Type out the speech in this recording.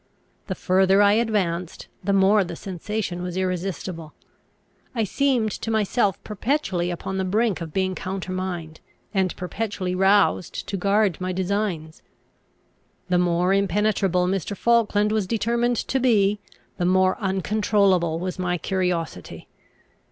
The further I advanced, the more the sensation was irresistible. I seemed to myself perpetually upon the brink of being countermined, and perpetually roused to guard my designs. The more impenetrable Mr. Falkland was determined to be, the more uncontrollable was my curiosity.